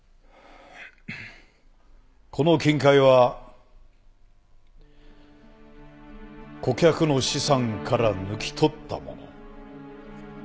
この金塊は顧客の資産から抜き取ったもの。